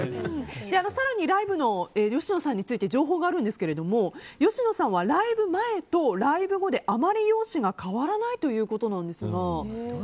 更にライブの吉野さんについて情報があるんですけど吉野さんはライブ前とライブ後であまり容姿が変わらないということなんですが。